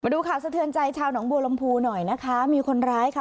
ดูข่าวสะเทือนใจชาวหนองบัวลำพูหน่อยนะคะมีคนร้ายค่ะ